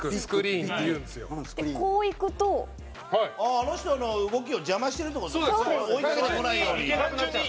あの人の動きを邪魔してるって事ね。